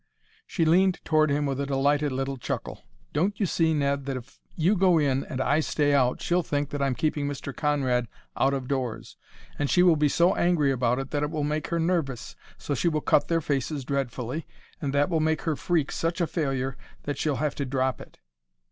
She leaned toward him with a delighted little chuckle. "Don't you see, Ned, that if you go in and I stay out she'll think that I'm keeping Mr. Conrad out of doors, and she will be so angry about it that it will make her nervous, so she will cut their faces dreadfully, and that will make her freak such a failure that she'll have to drop it.